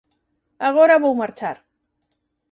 Agora vou marchar.